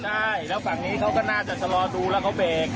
ใช่แล้วฝั่งนี้เขาก็น่าจะชะลอดูแล้วเขาเบรก